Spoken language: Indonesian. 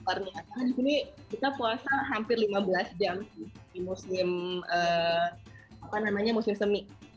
karena di sini kita puasa hampir lima belas jam sih musim apa namanya musim semi